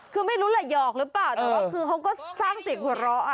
คือไม่รู้หละหยอกรึเปล่าแล้วเค้าก็สร้างเสียหัวเราะอ่ะ